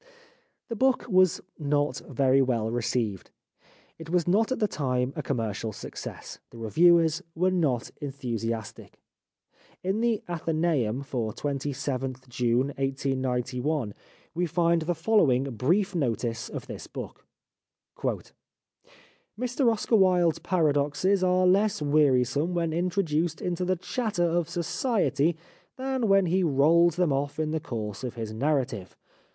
The book was not very well received. It was not at the time a commercial success. The reviewers were not enthusiastic. In the 307 The Life of Oscar Wilde AthencBum for 27th June i8gi we find the following brief notice of this book :—" Mr Oscar Wilde's paradoxes are less weari some when introduced into the chatter of society than when he rolls them off in the course of his narrative.